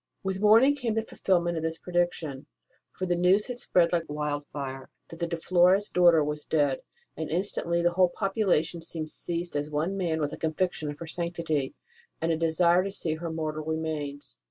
With morning came the fulfilment of this pre diction, for the news had spread like wildfire that the De Flores daughter was dead, and instantly the whole population seemed seized as one man with a conviction of her sanctity and a desire to see her mortal remains.